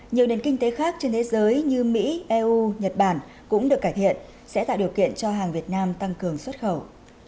nhiều nền kinh tế khác trên thế giới như mỹ eu nhật bản cũng được cải thiện sẽ tạo điều kiện cho hàng việt nam tăng cường xuất khẩu